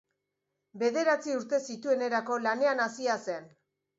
Bederatzi urte zituenerako lanean hasia zen.